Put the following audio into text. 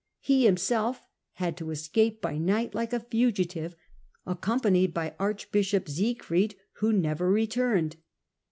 He him self had to escape by night like a fugitive, accompanied by archbishop Siegfried, who never returned.